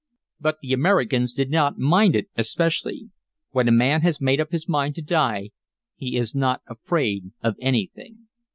But the Americans did not mind it especially. When a man has made up his mind to die he is not afraid of anything.